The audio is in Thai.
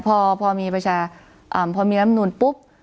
พอมีประชาพอมีลำนูนปุ๊บ